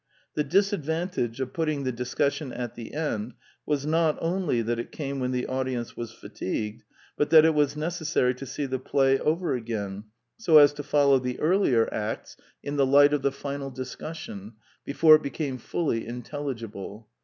The disadvan tage of putting the discussion at the end was not only that it came when the audience was fatigued, but that it was necessary to see the play over again, so as to follow the earlier acts in the light i 2 20 The Quintessence of Ibsenism of the final discussion, before it became fully intelligible.